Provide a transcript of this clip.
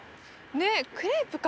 ねっクレープか！